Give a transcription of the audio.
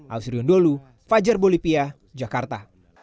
al siriun dulu fajar bolipiah jakarta